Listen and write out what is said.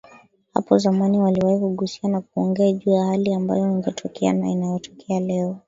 hapo zamani waliwahi kugusia na kuongea juu ya hali ambayo ingetokea na inayotokea leo